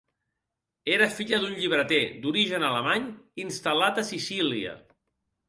Era filla d'un llibreter d'origen alemany, instal·lat a Sicília.